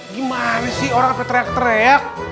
gimana sih orang sampai teriak teriak